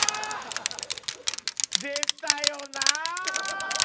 出たよなー。